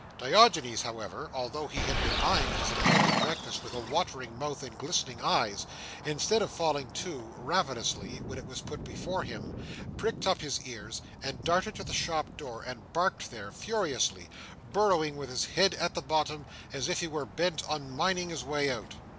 Diogenes, however, although he had been eyeing his intended breakfast with a watering mouth and glistening eyes, instead of falling to, ravenously, when it was put before him, pricked up his ears, darted to the shop door, and barked there furiously: burrowing with his head at the bottom, as if he were bent on mining his way out.